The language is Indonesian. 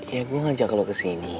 ya gue ngajak lo kesini